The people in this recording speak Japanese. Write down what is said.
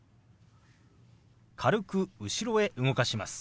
軽く後ろへ動かします。